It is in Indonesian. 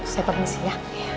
saya permisi ya